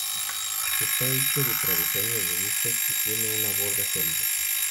Está hecho de travesaños robustos y tiene una borda sólida.